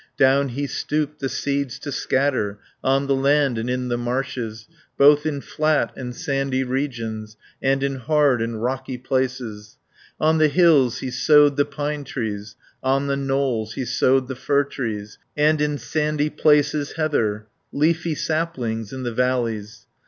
Down he stooped the seeds to scatter, On the land and in the marshes, Both in flat and sandy regions, And in hard and rocky places. 20 On the hills he sowed the pine trees, On the knolls he sowed the fir trees, And in sandy places heather; Leafy saplings in the valleys.